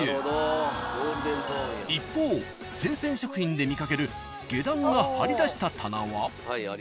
［一方生鮮食品で見掛ける下段が張り出した棚は］